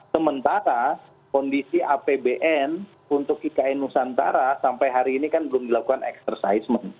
sementara kondisi apbn untuk ikn nusantara sampai hari ini kan belum dilakukan exercise